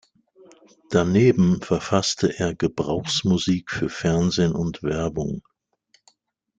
Daneben verfasste er Gebrauchsmusik für Fernsehen und Werbung.